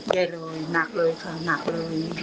แย่เลยหนักเลยค่ะหนักเลย